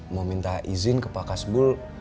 mau minta izin ke pak kasbul